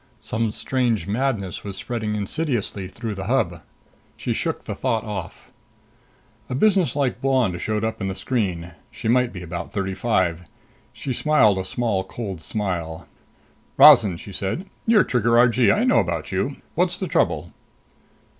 Some strange madness was spreading insidiously through the Hub. She shook the thought off. A businesslike blonde showed up in the screen. She might be about thirty five. She smiled a small, cold smile. "Rozan," she said. "You're Trigger Argee. I know about you. What's the trouble?"